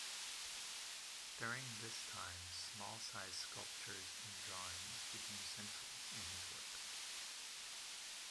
During this time small-size sculptures and drawings became central in his works.